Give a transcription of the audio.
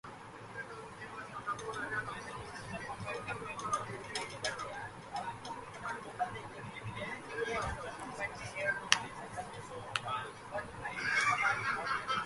The boys came to an open space, where there were many wigwams.